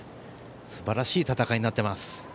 すばらしい戦いになっています。